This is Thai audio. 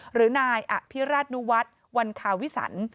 หรือนายอภิราชนุวัฒน์วันคาวิสัน